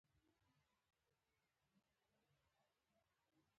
موږ د ښوونکي خبرې واورو.